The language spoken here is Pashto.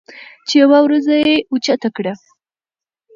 چې يوه وروځه یې اوچته کړه